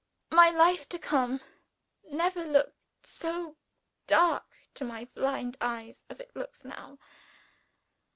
My life to come never looked so dark to my blind eyes as it looks now."